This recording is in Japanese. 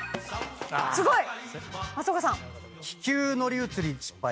すごい！松岡さん。